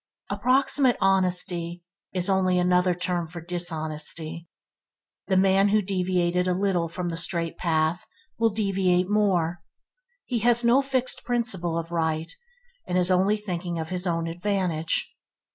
Approximate honesty is only another term for dishonesty. The man who deviated a little from the straight path, will deviate more. He has no fixed principle of right and is only thinking of his own advantage.